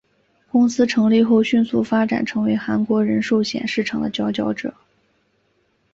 公司成立后迅速发展成为韩国人寿险市场的佼佼者。